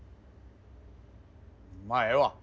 まあええわ。